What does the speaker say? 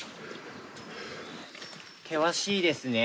険しいですね。